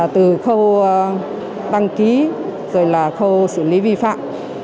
từ khâu đăng ký rồi là khâu xử lý vi phạm